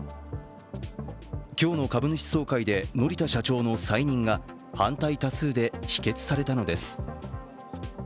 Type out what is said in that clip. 今日の株主総会で乗田社長の再任が反対多数で否決されたのです。